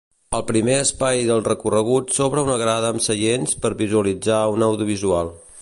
Al primer espai del recorregut s'obre una grada amb seients per visualitzar un audiovisual.